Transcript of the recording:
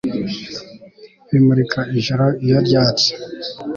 bimurika ijoro iyo ryatse